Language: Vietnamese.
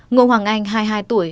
ngô hoàng anh hai mươi hai tuổi